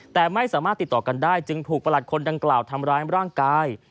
แต่ไม่สามารถติดต่อกันได้จึงถูกประหลัดคนดังกล่าวทำร้ายร่างกาย